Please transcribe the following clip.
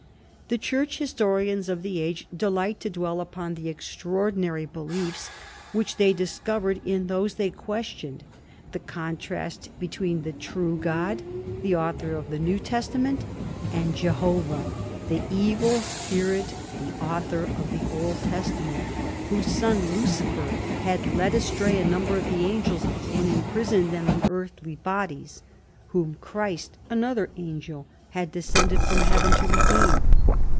The church historians of the age delight to dwell upon the extraordinary beliefs which they discovered in those they questioned — the contrast between the true God, the author of the New Testament, and Jehovah the evil spirit, the author of the Old Testament, whose son Lucifer had led astray a number of the angels and imprisoned them in earthly bodies, whom Christ, another angel, had descended from heaven to redeem.